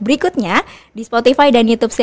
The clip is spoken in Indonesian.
berikutnya di spotify dan youtube